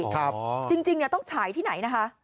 จริงต้องฉายที่ไหนนะคะ